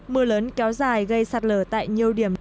mưa lớn kéo dài gây sạt lở tại nhiều địa phương